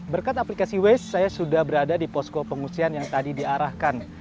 berkat aplikasi waze saya sudah berada di posko pengungsian yang tadi diarahkan